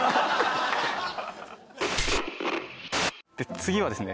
次はですね